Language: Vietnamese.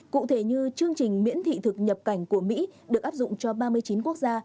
cụ thể như chương trình miễn thị thực nhập cảnh của mỹ được áp dụng cho ba mươi chín quốc gia